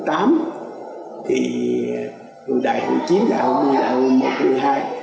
thì đại hội chín đại hội một mươi đại hội một mươi hai